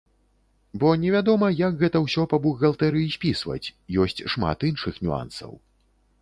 Бо невядома, як гэта ўсё па бухгалтэрыі спісваць, ёсць шмат іншых нюансаў.